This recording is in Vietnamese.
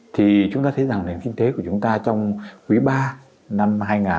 thì chúng ta thấy rằng nền kinh tế của chúng ta trong quý ba năm hai nghìn hai mươi ba